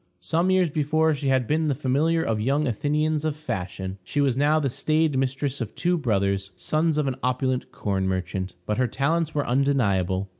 Some years before she had been the familiar of young Athenians of fashion; she was now the staid mistress of two brothers, sons of an opulent corn merchant. But her talents were undeniable.